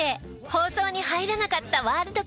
放送に入らなかったワールドカップ裏話。